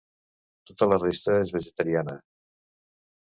Tota la resta és vegetariana.